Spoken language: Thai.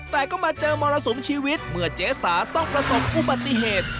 แต่ก็มาเจอมรสุมชีวิตเมื่อเจ๊สาต้องประสบอุบัติเหตุ